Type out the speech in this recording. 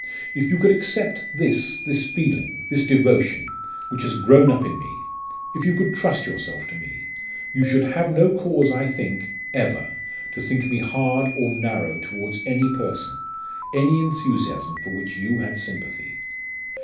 If you could accept this this feeling this devotion which has grown up in me if you could trust yourself to me you should have no cause, I think ever to think me hard or narrow towards any person, any enthusiasm for which you had sympathy.